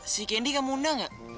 si kendi kamu undang gak